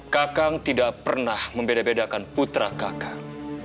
kakang tidak pernah membeda bedakan putra kakak